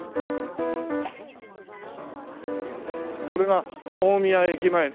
これが大宮駅前。